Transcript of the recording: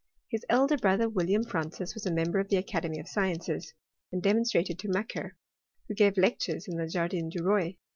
His elder brother, William Francis, was a member of the Academy of Sciences, and demonstrator to Macquer, who gave lectures in the Jardin du Roi.